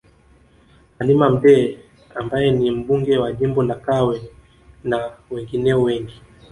Halima Mdee ambaye ni Mbunge wa jimbo la Kawe na wengineo wengi